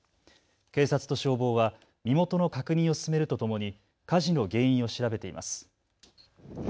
警察と消防は身元の確認を進めるとともに火事の原因を調べています。